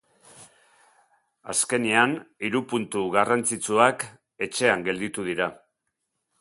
Azkenean hiru puntu garrantzitsuak etxean gelditu dira.